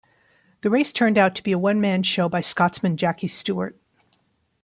The race turned out to be a one-man show by Scotsman Jackie Stewart.